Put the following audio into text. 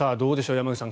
山口さん。